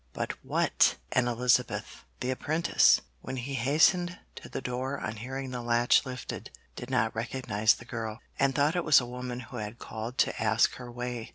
But what an Elizabeth! The apprentice, when he hastened to the door on hearing the latch lifted, did not recognise the girl, and thought it was a woman who had called to ask her way.